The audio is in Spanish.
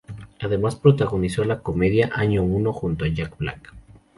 Además protagonizó la comedia "Año Uno" junto a Jack Black.